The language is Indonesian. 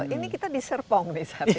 ini kita diserpong nih